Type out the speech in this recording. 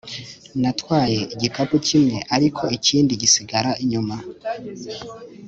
Natwaye igikapu kimwe ariko ikindi gisigara inyuma